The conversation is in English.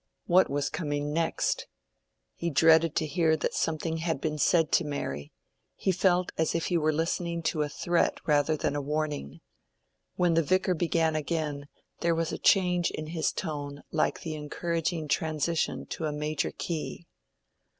What was coming next? He dreaded to hear that something had been said to Mary—he felt as if he were listening to a threat rather than a warning. When the Vicar began again there was a change in his tone like the encouraging transition to a major key.